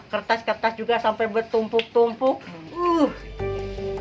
kertas kertas juga sampai bertumpuk tumpuk